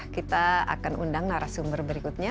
kita akan undang narasumber berikutnya